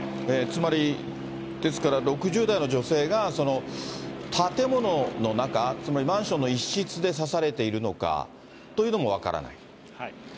つまり、ですから６０代の女性が建物の中、マンションの一室で刺されているのかというのも分からない？